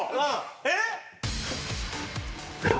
えっ！